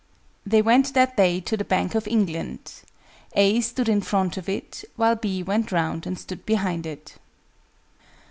_ They went that day to the Bank of England. A stood in front of it, while B went round and stood behind it.